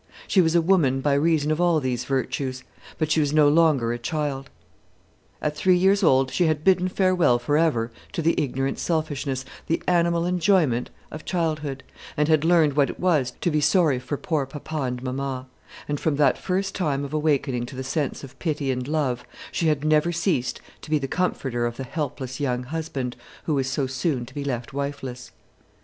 She was a woman by reason of all these virtues; but she was no longer a child. At three years old she had bidden farewell for ever to the ignorant selfishness, the animal enjoyment of childhood, and had learned what it was to be sorry for poor papa and mamma; and from that first time of awakening to the sense of pity and love, she had never ceased to be the comforter of the helpless young husband who was so soon to be left wifeless.